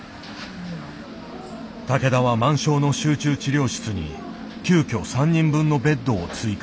竹田は満床の集中治療室に急きょ３人分のベッドを追加。